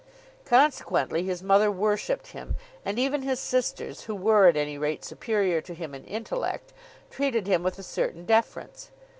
Consequently his mother worshipped him; and even his sisters, who were at any rate superior to him in intellect, treated him with a certain deference.